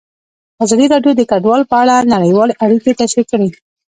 ازادي راډیو د کډوال په اړه نړیوالې اړیکې تشریح کړي.